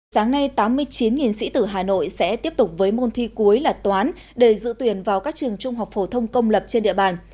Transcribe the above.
sáng nay tám mươi chín sĩ tử hà nội sẽ tiếp tục với môn thi cuối là toán để dự tuyển vào các trường trung học phổ thông công lập trên địa bàn